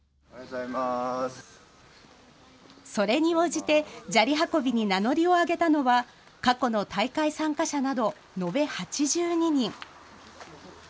それに応じて、砂利運びに名乗りを上げたのは、過去の大会参加者など延べ８２人。